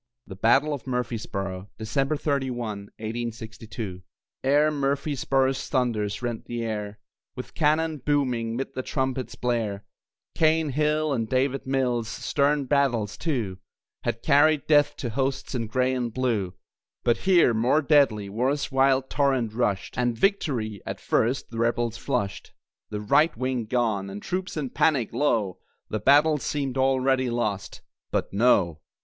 THE BATTLE OF MURFREESBORO [December 31, 1862] Ere Murfreesboro's thunders rent the air With cannon booming 'mid the trumpet's blare Cane Hill and David Mills, stern battles, too, Had carried death to hosts in Gray and Blue. But here, more deadly, war's wild torrent rushed, And victory, at first, the Rebels flushed. The "right wing" gone, and troops in panic, lo! The battle seemed already lost. But, No.